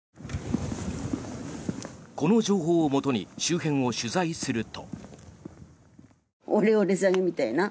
この情報をもとに周辺を取材すると。